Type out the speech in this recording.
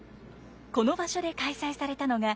この場所で開催されたのが。